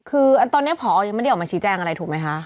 คือตอนนี้ผอยังไม่ได้ออกมาชี้แจงอะไรถูกไหมคะ